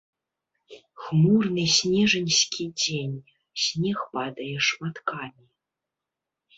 Хмурны снежаньскі дзень, снег падае шматкамі.